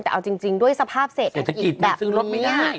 แต่เอาจริงด้วยสภาพเศรษฐกิจแบบนี้